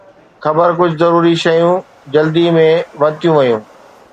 خير، ڪجهه ضروري شيون جلدي ۾ ورتيون ويون